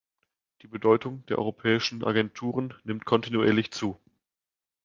Die Bedeutung der Europäischen Agenturen nimmt kontinuierlich zu.